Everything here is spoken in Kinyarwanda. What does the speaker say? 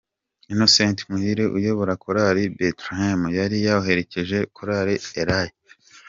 Innocent Muhire uyobora korali Bethlehem yari yaherekeje korali Elayo.